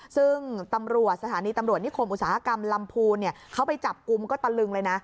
ซึ่งตำรวจสถานีตำรวจนิคมอุตสาหกรรมลำพูนเขาไปจับกลุ่มก็ตะลึงเลยนะ